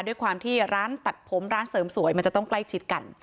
ด้วยความที่ร้านตัดผมร้านเสริมสวยมันจะต้องใกล้ชิดกัน